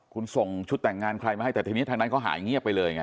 คุณส่งชุดแต่งงานใครมาให้แต่ทีนี้ทางนั้นเขาหายเงียบไปเลยไง